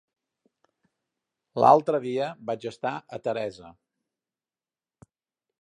L'altre dia vaig estar a Teresa.